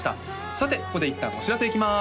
さてここでいったんお知らせいきます